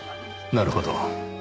なるほど。